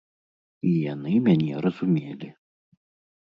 І яны мяне разумелі!